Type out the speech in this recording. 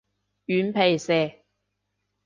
軟皮蛇